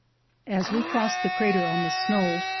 As we were crossing the crater on the snow.